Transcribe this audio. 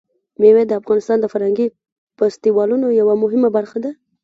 مېوې د افغانستان د فرهنګي فستیوالونو یوه مهمه برخه ده.